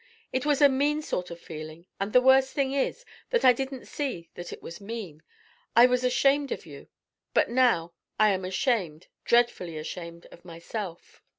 It was a mean sort of feeling, and the worst thing is that I didn't see that it was mean. I was ashamed of you; but now I am ashamed, dreadfully ashamed, of myself.